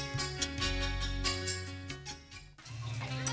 ujang ujang ujang